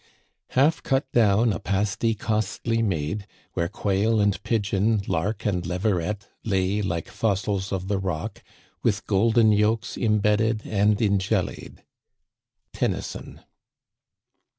Half cut down, a pasty costly made, Where quail and pigeon, lark and leveret, lay Like fossils of the rock, with golden yolks Imbedded and in jellied. Tennyson.